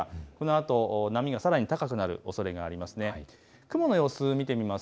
このあとさらに波が高くなるおそれがあります。